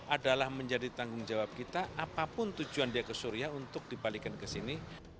adalah menjadi tanggung jawab kita apapun tujuan dia ke suria untuk dibalikin ke sini